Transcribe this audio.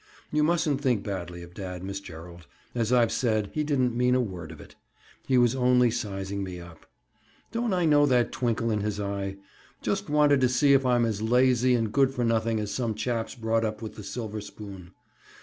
You mustn't think badly of dad, Miss Gerald. As I've said, he didn't mean a word of it. He was only sizing me up. Don't I know that twinkle in his eye? Just wanted to see if I'm as lazy and good for nothing as some chaps brought up with the silver spoon.